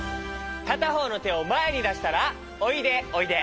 かたほうのてをまえにだしたらおいでおいで。